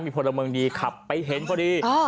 มีพลเมืองดีขับไปเห็นพอดี